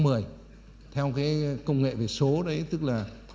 thế thì theo cái công nghệ về số đấy tức là một mươi một nghìn một